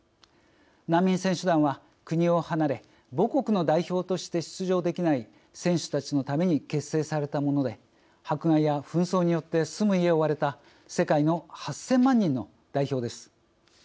難民選手団は、国を離れ母国の代表として出場できない選手たちのために結成されたもので迫害や紛争によって住む家を追われた世界の８０００万人の代表です。